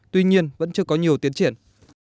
tuy nhiên vẫn chưa có nhiều tiến triển